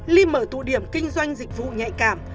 ly mở tụ điểm kinh doanh dịch vụ nhạy cảm